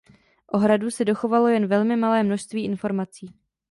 O hradu se dochovalo jen velmi malé množství informací.